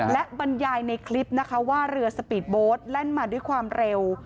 และบรรยายในคลิปนะคะว่าเรือสปีดโบสต์แล่นมาด้วยความเร็ว